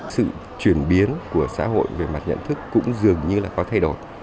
sự chuyển biến của xã hội về mặt nhận thức cũng dường như là có thay đổi